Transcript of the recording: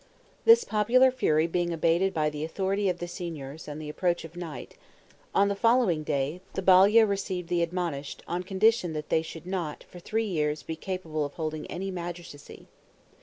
This popular fury being abated by the authority of the Signors and the approach of night, on the following day, the Balia relieved the admonished, on condition that they should not for three years be capable of holding any magistracy.